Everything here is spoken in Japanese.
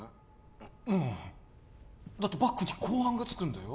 ううんだってバックに公安がつくんだよ